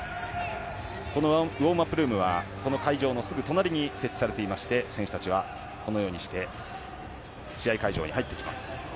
このウォームアップルームは会場のすぐ隣に設置されていて選手たちはこのようにして試合会場に入ってきます。